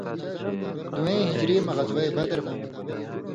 دُوئیں ہِجری مہ غزوہ بدر ہُون٘دیۡ۔